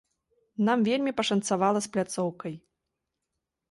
Нам вельмі пашанцавала з пляцоўкай.